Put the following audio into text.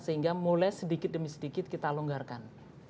sehingga mulai sedikit demi sedikit kita longgarkan